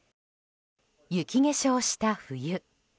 雪化粧した冬。